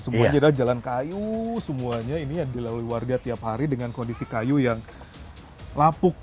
semuanya adalah jalan kayu semuanya ini yang dilalui warga tiap hari dengan kondisi kayu yang lapuk